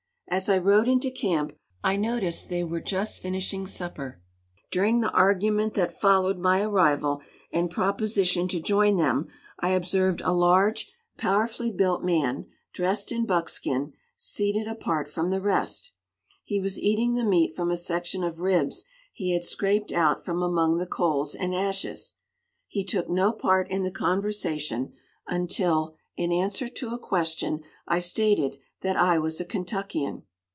As I rode into camp I noticed they were just finishing supper. During the argument that followed my arrival and proposition to join them, I observed a large, powerfully built man, dressed in buckskin, seated apart from the rest. He was eating the meat from a section of ribs he had scraped out from among the coals and ashes. He took no part in the conversation until, in answer to a question, I stated that I was a Kentuckian.